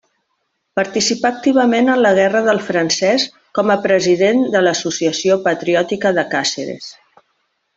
Participà activament en la guerra del francès com a president de l'Associació Patriòtica de Càceres.